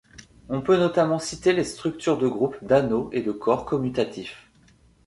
On peut notamment citer les structures de groupe, d’anneau et de corps commutatif.